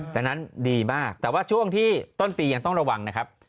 ดังนั้นดีมากแต่ว่าช่วงที่ต้นปียังต้องระวังนะครับ